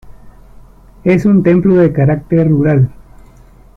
Es un templo de carácter rural.